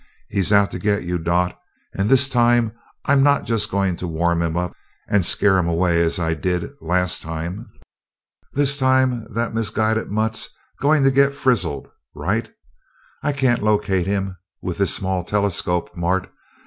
"He's out to get you, Dot and this time I'm not just going to warm him up and scare him away, as I did last time. This time that misguided mutt's going to get frizzled right.... I can't locate him with this small telescope, Mart.